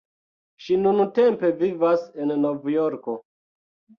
Ŝi nuntempe vivas en Novjorko.